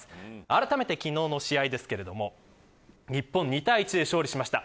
あらためて昨日の試合ですが日本、２対１で勝利しました。